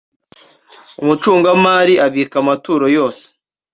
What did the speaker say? Umucungamari abika amaturo yose.